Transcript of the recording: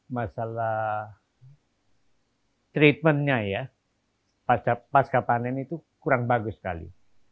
masalah treatmentnya ya pasca panen itu kurang bagus sekali